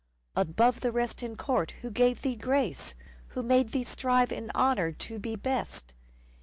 Above the rest in court who gave thee grace ? Who made thee strive in honour to be best